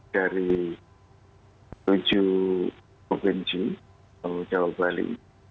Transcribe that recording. dari tujuh provinsi jawa bali